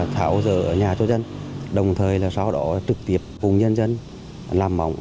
thảo dỡ nhà cho dân đồng thời sau đó trực tiếp cùng nhân dân làm mỏng